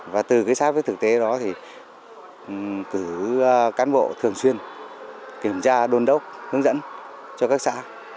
và từ cái sát với thực tế đó thì cử cán bộ thường xuyên kiểm tra đôn đốc hướng dẫn cho các xã